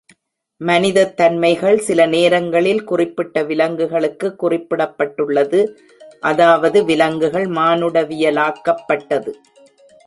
மனிதத் தன்மைகள் சில நேரங்களில் குறிப்பிட்ட விலங்குகளுக்கு குறிப்படப்பட்டுள்ளது, அதாவது, விலங்குகள் மானுடவியலாக்கப்பட்டது.